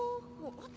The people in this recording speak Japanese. あっ。